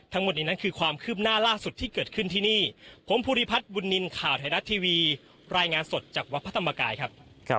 ทั้งหมดนี้นั้นคือความคืบหน้าล่าสุดที่เกิดขึ้นที่นี่ผมภูริพัฒน์บุญนินทร์ข่าวไทยรัฐทีวีรายงานสดจากวัดพระธรรมกายครับ